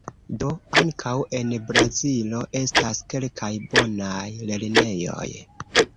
Do ankaŭ en Brazilo estas kelkaj bonaj lernejoj.